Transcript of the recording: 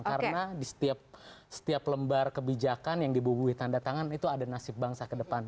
karena di setiap lembar kebijakan yang dibubuhi tanda tangan itu ada nasib bangsa ke depan